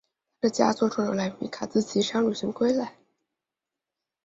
他的一些佳作创作于卡兹奇山旅行归来。